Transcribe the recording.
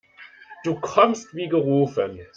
Du kommst wie gerufen.